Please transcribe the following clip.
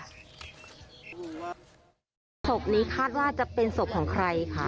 ศพนี้คาดว่าจะเป็นศพของใครคะ